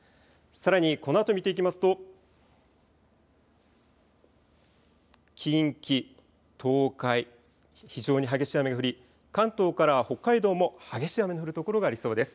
さらに、このあと見ていきますと近畿、東海、非常に激しい雨が降り関東から北海道も激しい雨の降る所がありそうです。